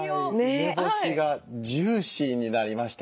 梅干しがジューシーになりましてね